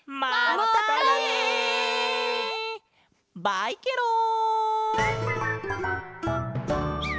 バイケロン！